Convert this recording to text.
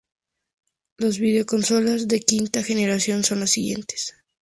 Las videoconsolas de quinta generación son las siguientes.